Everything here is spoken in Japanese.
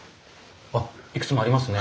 あっいくつもありますね。